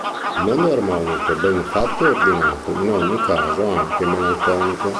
Il mondo è armonico, ben fatto e ordinato, in ogni caso anche melanconico.